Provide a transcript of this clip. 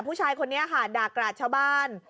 ผู้ชายคนนี้ค่ะด่ากราดชาวบ้าน